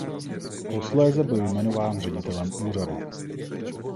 Posléze byl jmenován ředitelem úřadu.